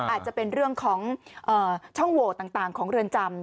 อาจจะเป็นเรื่องของช่องโหวตต่างของเรือนจำ